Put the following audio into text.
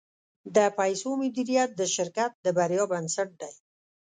د پیسو مدیریت د شرکت د بریا بنسټ دی.